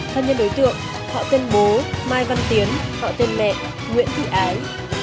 thân nhân đối tượng họ tên bố mai văn tiến họ tên mẹ nguyễn thị ái